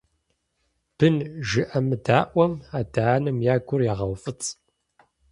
Бын жыӀэмыдаӀуэм адэ-анэм я гур егъэуфӀыцӀ.